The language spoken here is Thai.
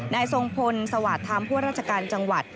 ทรงพลสวาสตธรรมผู้ราชการจังหวัด